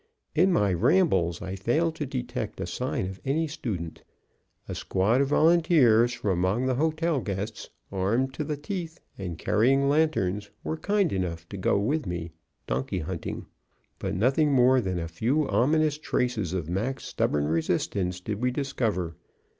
In my rambles I failed to detect a sign of any student. A squad of volunteers from among the hotel guests, armed to the teeth and carrying lanterns, were kind enough to go with me donkey hunting, but nothing more than a few ominous traces of Mac's stubborn resistance did we discover.